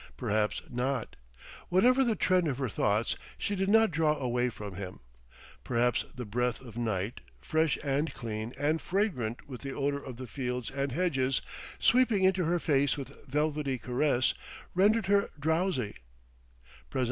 Perhaps not. Whatever the trend of her thoughts, she did not draw away from him.... Perhaps the breath of night, fresh and clean and fragrant with the odor of the fields and hedges, sweeping into her face with velvety caress, rendered her drowsy.